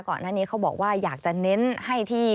ก่อนหน้านี้เขาบอกว่าอยากจะเน้นให้ที่